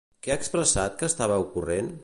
Què ha expressat que estava ocorrent?